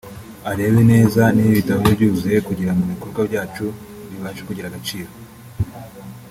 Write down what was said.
arebe neza niba ibitabo bye byuzuye kugira ngo ibikorwa byacu bibashe kugira agaciro